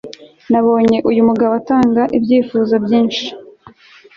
nabonye uyu mugabo atanga ibyifuzo byinshi